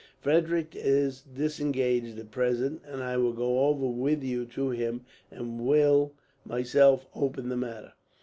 Frederick is disengaged at present, and I will go over with you to him, and will myself open the matter."